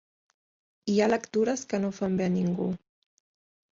Hi ha lectures que no fan bé a ningú.